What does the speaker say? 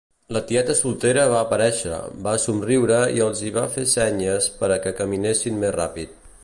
La tieta soltera va aparèixer, va somriure i els hi va fer senyes per a que caminessin més ràpid.